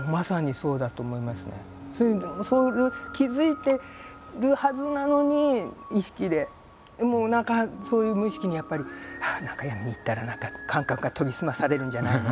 そういう気付いてるはずなのに意識でもう何かそういう無意識にやっぱりああ何か闇に行ったら何か感覚が研ぎ澄まされるんじゃないの？